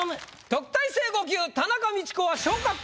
特待生５級田中道子は。